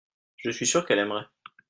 je suis sûr qu'elle aimerait.